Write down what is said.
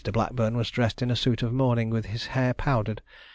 Blackburn was dressed in a suit of mourning, with his hair powdered.